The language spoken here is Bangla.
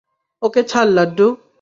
ওকে ছাড়, লাড্ডু!